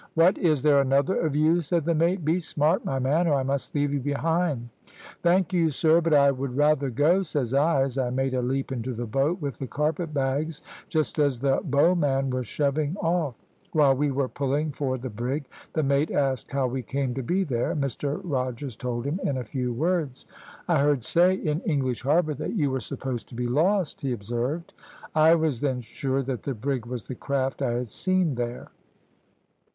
"`What, is there another of you?' said the mate. `Be smart, my man, or I must leave you behind.' "`Thank you, sir, but I would rather go,' says I, as I made a leap into the boat, with the carpet bags, just as the bow man was shoving off. While we were pulling for the brig the mate asked how we came to be there. Mr Rogers told him in a few words. "`I heard say in English Harbour that you were supposed to be lost,' he observed. "I was then sure that the brig was the craft I had seen there.